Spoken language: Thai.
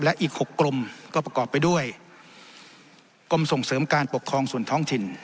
และอีก๖กรมก็ประกอบไปด้วยกรมส่งเสริมการปกครองส่วนท้องถิ่น